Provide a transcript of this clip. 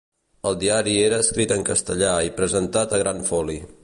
El diari era escrit en castellà i presentat a gran foli.